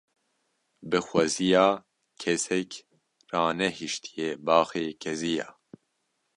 Bi xweziya kesek ranehîştiye baxê keziya